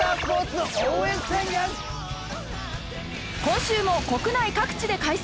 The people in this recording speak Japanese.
今週も国内各地で開催！